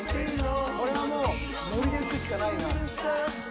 これはもうノリでいくしかないな。